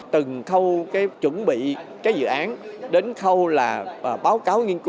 từng khâu cái chuẩn bị cái dự án đến khâu là báo cáo nghiên cứu